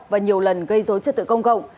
và nhiều lần gây rối trật tự công cộng